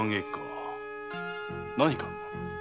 何か？